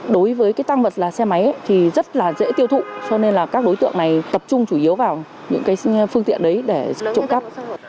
đối với cái tăng vật là xe máy thì rất là dễ tiêu thụ cho nên là các đối tượng này tập trung chủ yếu vào những cái phương tiện đấy để trộm cắp